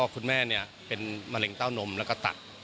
คุณแม่เป็นมะเร็งเต้านมแล้วก็ตัด